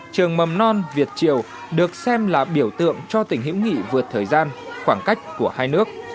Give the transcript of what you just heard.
trường mầm non việt triều được xem là biểu tượng cho tình hữu nghị vượt thời gian khoảng cách của hai nước